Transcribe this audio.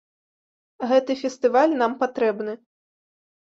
Гэты фестываль нам патрэбны.